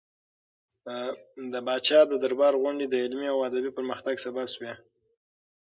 د پاچا د دربار غونډې د علمي او ادبي پرمختګ سبب شوې.